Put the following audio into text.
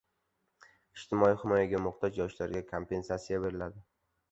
Ijtimoiy himoyaga muhtoj yoshlarga kompensasiya beriladi